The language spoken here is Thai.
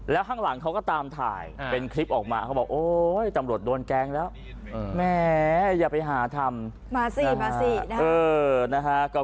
แล้วข้างหลังเขาก็ตามถ่ายเป็นคลิปออกมาเขาบอกโอ๊ยตำรวจโดนแกล้งแล้วแหมอย่าไปหาทำมาสิมาสินะ